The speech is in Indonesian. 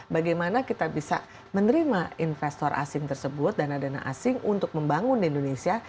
bagaimana kita bisa menerima investor asing tersebut dana dana asing untuk membangun indonesia